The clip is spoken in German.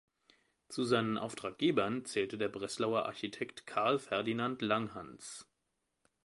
Zu seinen Auftraggebern zählte der Breslauer Architekt Carl Ferdinand Langhans.